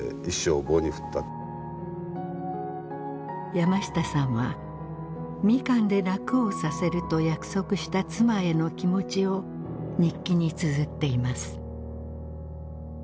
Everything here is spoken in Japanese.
山下さんはミカンで楽をさせると約束した妻への気持ちを日記につづっています。